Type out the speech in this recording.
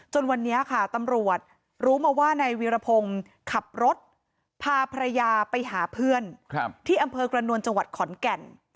วันนี้ค่ะตำรวจรู้มาว่านายวีรพงศ์ขับรถพาภรรยาไปหาเพื่อนที่อำเภอกระนวลจังหวัดขอนแก่น